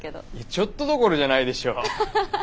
ちょっとどころじゃないでしょ。